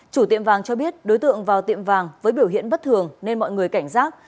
chủ tiệm vàng cho biết đối tượng vào tiệm vàng với biểu hiện bất thường nên mọi người cảnh giác